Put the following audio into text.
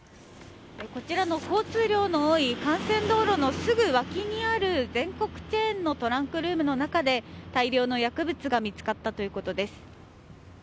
こちらの交通量の多い幹線道路のすぐ脇にある全国チェーンのトランクルームの中で、大量の薬物が見つかったということです。